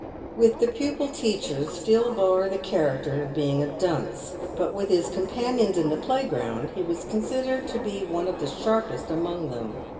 "With the " pupil teachers" Phil bore the character of being a dunce, but with his companions in the playground he was considered to be one of the sharpest among them.